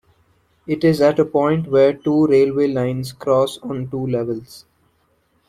It is at a point where two railways lines cross on two levels.